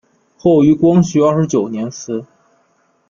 后于光绪二十九年祠。